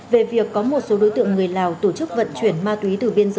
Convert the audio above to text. về việc có một số đối tượng người lào tổ chức vận chuyển ma túy từ biên giới